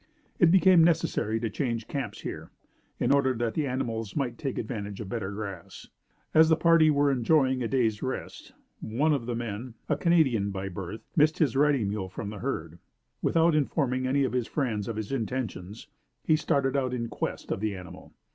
It became necessary to change camps here, in order that the animals might take advantage of better grass. As the party were enjoying a day's rest, one of the men, a Canadian by birth, missed his riding mule from the herd. Without informing any of his friends of his intentions, he started out in quest of the animal.